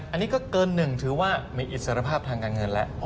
อันนี้ก็เกิน๑ถือว่ามีอิสรภาพทางการเงินแล้ว